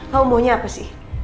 kau maunya apa sih